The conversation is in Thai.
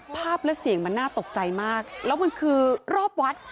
ภาพและเสียงมันน่าตกใจมากแล้วมันคือรอบวัด